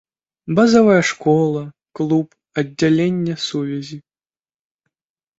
Базавая школа, клуб, аддзяленне сувязі.